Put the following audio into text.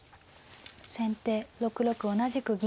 先手６六同じく銀。